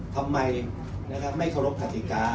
ทำไมไม่เคารพกฎิกา